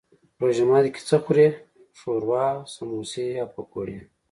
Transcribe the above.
روژه ماتی کی څه خورئ؟ شوروا، سموسي او پکوړي